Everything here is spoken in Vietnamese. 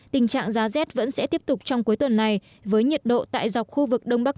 tình trạng giá rét vẫn sẽ tiếp tục trong cuối tuần này với nhiệt độ tại dọc khu vực đông bắc